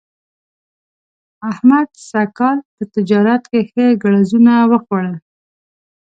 احمد سږ کال په تجارت ښه ګړزونه وخوړل.